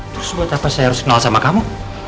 terus buat apa saya harus kenal sama kamu